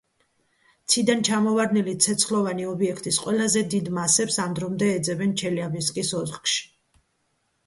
ციდან ჩამოვარდნილი ცეცხლოვანი ობიექტის ყველაზე დიდ მასებს ამ დრომდე ეძებენ ჩელიაბინსკის ოლქში.